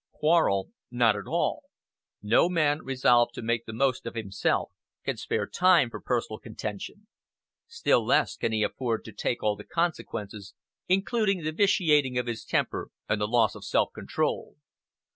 Quarrel not at all. No man resolved to make the most of himself can spare time for personal contention. Still less can he afford to take all the consequences, including the vitiating of his temper and the loss of self control.